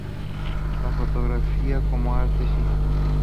La fotografía como arte, sí.